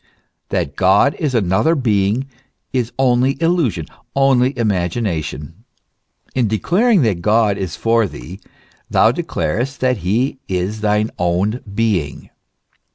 f That God is another being is only illusion, only imagination. In declaring that God is for thee, thou declares! that he is thy own being.